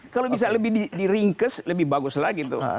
kalau bisa lebih di ringkes lebih bagus lagi tuh